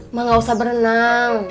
emang gak usah berenang